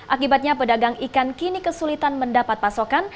akibatnya pedagang ikan kini kesulitan mendapat pasokan